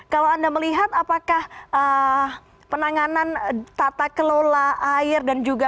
kalau anda melihat apakah penanganan tata kelola air dan juga